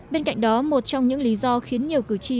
bên cạnh đó một trong những lý do khiến nhiều cử tri